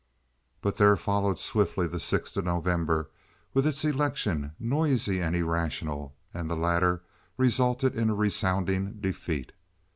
But there followed swiftly the sixth of November, with its election, noisy and irrational, and the latter resulted in a resounding defeat.